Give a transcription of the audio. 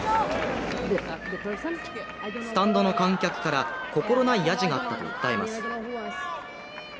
スタンドの観客から心ないやじがあったと訴えます。